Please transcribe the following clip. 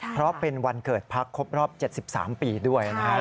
เพราะเป็นวันเกิดพักครบรอบ๗๓ปีด้วยนะครับ